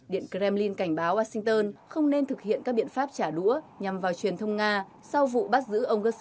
điện kremlin cảnh báo washington không nên thực hiện các biện pháp trả đũa nhằm vào truyền thông nga sau vụ bắt giữ ông gustin